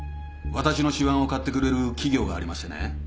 私の手腕を買ってくれる企業がありましてね